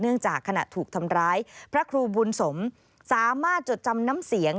จากขณะถูกทำร้ายพระครูบุญสมสามารถจดจำน้ำเสียง